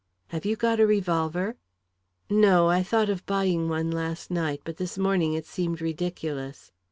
"Have you got a revolver?" "No; I thought of buying one last night, but this morning it seemed ridiculous."